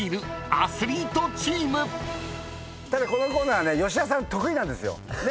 ただこのコーナーはね吉田さん得意なんですよ。